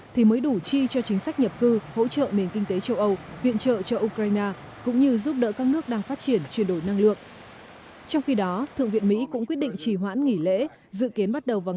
thì mới đủ chi cho chính sách nhận